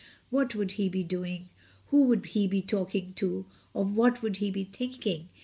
What would he be doing? Who would he be talking to? Of what would he be thinking?